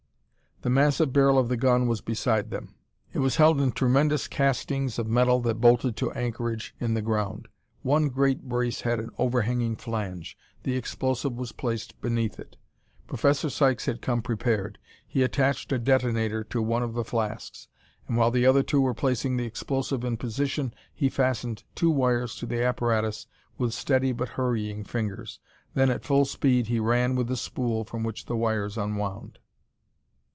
The massive barrel of the gun was beside them; it was held in tremendous castings of metal that bolted to anchorage in the ground. One great brace had an overhanging flange; the explosive was placed beneath it. Professor Sykes had come prepared. He attached a detonator to one of the flasks, and while the other two were placing the explosive in position he fastened two wires to the apparatus with steady but hurrying fingers; then at full speed he ran with the spool from which the wires unwound.